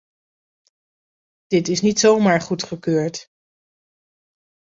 Dit is niet zomaar goedgekeurd.